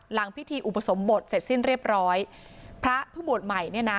หลังพิธีอุปสมบทเสร็จสิ้นเรียบร้อยพระผู้บวชใหม่เนี่ยนะ